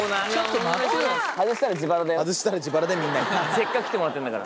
せっかく来てもらったんだから。